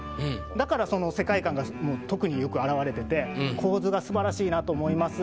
だからその世界観が特によく表れてて構図が素晴らしいなと思います。